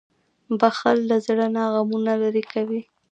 • بښل له زړه نه غمونه لېرې کوي.